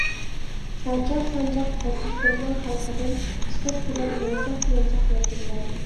سانجاق-سانجاق ھەسرىتىمنىڭ خەلقىدىن، چىقىپ كېلەر مونچاق-مونچاق ۋەكىللەر.